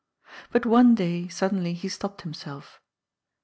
But one day, suddenly, he stopped himself.